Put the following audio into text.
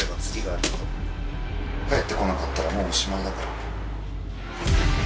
帰ってこなかったらもうおしまいだから。